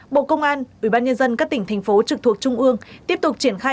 hai bộ công an ủy ban nhân dân các tỉnh thành phố trực thuộc trung ương tiếp tục triển khai